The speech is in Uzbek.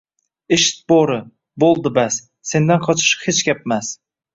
Eshit, bo’ri, bo’ldi bas, sendan qochish hech gapmas!